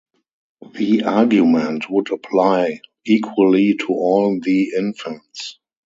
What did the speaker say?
The argument would apply equally to all the infants.